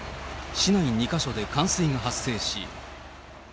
市内２か所で冠水が発生し。